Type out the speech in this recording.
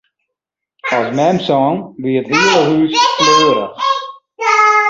As mem song, wie it hiele hûs fleurich.